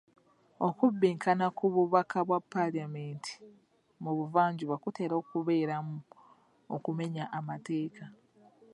Okubbinkana ku bubaka bwa paalamenti mu buvanjuba kutera okubeeramu okumenya amateeka.